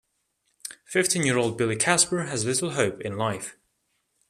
Fifteen-year-old Billy Casper has little hope in life.